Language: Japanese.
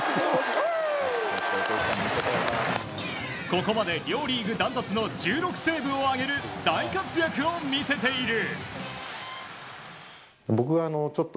ここまで両リーグダントツの１６セーブを挙げる大活躍を見せている。